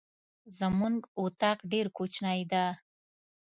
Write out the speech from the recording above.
زمونږ اطاق ډير کوچنی ده.